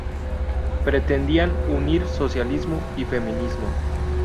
Pretendían unir socialismo y feminismo.